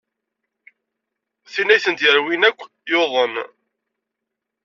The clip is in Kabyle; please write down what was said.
Tin ay tent-yerwin akk, yuḍen.